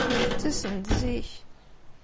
Ttasen-d zik.